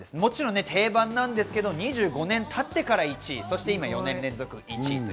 もちろん定番なんですけど、２５年経ってから１位、そして今４年連続１位です。